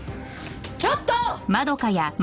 ちょっと！